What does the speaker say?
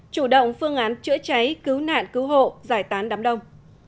chủ động phương án chữa cháy cứu nạn cứu hộ giải tán đám đông